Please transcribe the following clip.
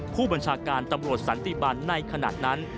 ผู้บัญชาการตำรวจสันติบันในขณะนั้น